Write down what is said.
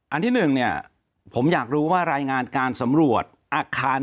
อันที่หนึ่งเนี่ยผมอยากรู้ว่ารายงานการสำรวจอาคาร